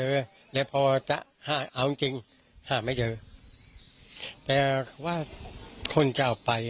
เดี๋ยวพอจะห้าเอาจริงห้าไม่เจอแต่ว่าคนจะเอาไป